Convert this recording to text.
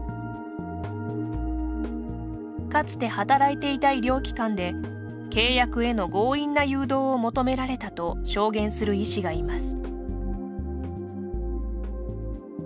かつて働いていた医療機関で契約への強引な誘導を求められたと証言する医師がいます。